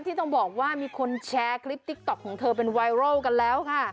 ที่ต้องบอกว่ามีคนแชร์คลิปติ๊กต๊อกของเธอเป็นไวรัลกันแล้วค่ะ